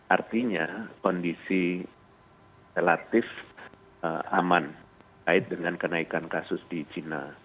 artinya kondisi relatif aman kait dengan kenaikan kasus di cina